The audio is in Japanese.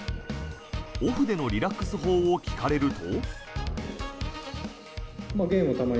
オフでのリラックス法を聞かれると。